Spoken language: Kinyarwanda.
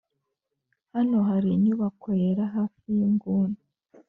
hano hari inyubako yera hafi yinguni.